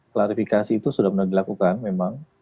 klarifikasi itu sudah benar dilakukan memang